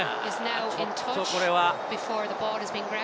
ちょっとこれは。